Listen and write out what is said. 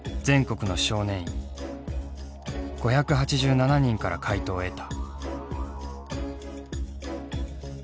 ５８７人から回答を得た。